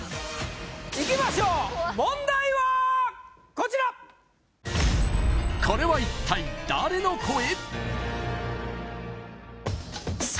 いきましょう問題はこちらこれは一体誰の声？